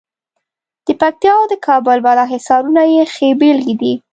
د پکتیا او د کابل بالا حصارونه یې ښې بېلګې دي.